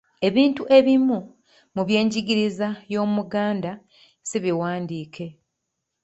Ebintu ebimu mu by’enjigiriza y’Omuganda si biwandiike.